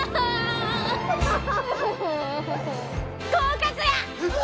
合格や！